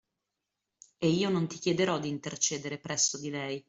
E io non ti chiederò d'intercedere presso di lei